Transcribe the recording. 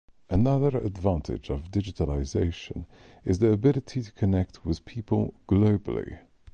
Another advantage of digitalization is the ability to connect with people globally.